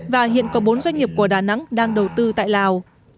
và hiện có bốn doanh nghiệp của đà nẵng đang đầu tư tại lào